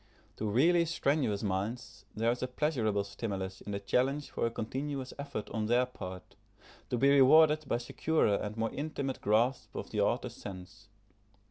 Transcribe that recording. To really strenuous minds there is a pleasurable stimulus in the challenge for a continuous effort on their part, to be rewarded by securer and more intimate grasp of the author's sense.